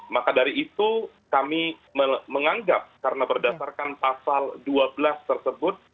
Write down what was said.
maka dari itu kami menganggap karena berdasarkan pasal dua belas tersebut